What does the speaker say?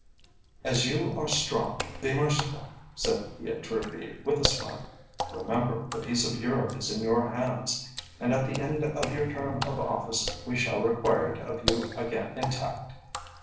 "As you are strong, be merciful," said D'Etrebille, with a smile. "Remember, the peace of Europe is in your hands, and at the end of your term of office we shall require it of you again intact."